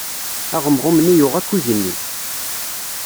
Aɣemɣum-nni yuɣ akk igenni.